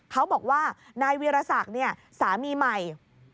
เขาบอกว่านายวีรศักดิ์เนี่ยสามีใหม่